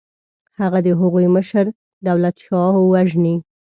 هغه د هغوی مشر دولتشاهو وژني.